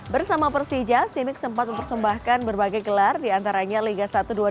bersama persija simic sempat mempersembahkan berbagai gelar diantaranya liga satu dua ribu dua puluh